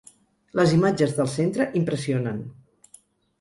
Les imatges del centre impressionen.